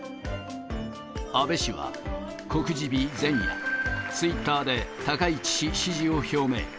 安倍氏は、告示日前夜、ツイッターで高市氏支持を表明。